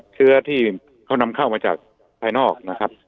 เชื้อที่เขานำเข้ามาจากภายนอกนะครับ